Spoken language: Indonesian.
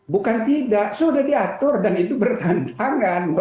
bukan tidak sudah diatur dan itu bertentangan